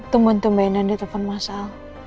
tumpen tumpenan di telepon mas al